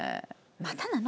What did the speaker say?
またなの？